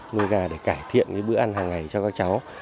nuôi gà để cải thiện bữa ăn hàng ngày cho các cháu